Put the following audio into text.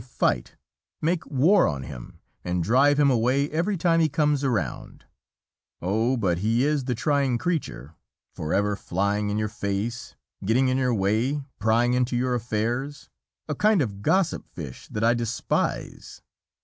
I fight, make war on him, and drive him away every time he comes around. Oh, but he is the trying creature! Forever flying in your face, getting in your way, prying into your affairs, a kind of gossip fish, that I despise.